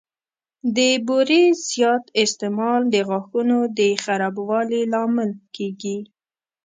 د بوري زیات استعمال د غاښونو د خرابوالي لامل کېږي.